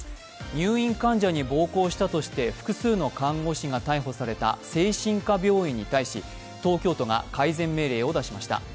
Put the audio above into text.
入院患者に暴行したとして複数の看護師が逮捕された精神科病院に対し、東京都が改善命令を出しました。